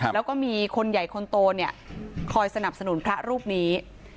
แล้วก็มีคนใหญ่คนโตเนี่ยคอยสนับสนุนพระรูปนี้